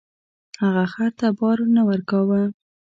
هغه خر ته بار نه ورکاوه.